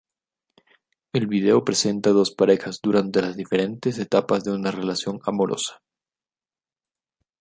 El video presenta dos parejas durante las diferentes etapas de una relación amorosa.